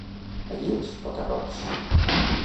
A Guils, pota-roigs.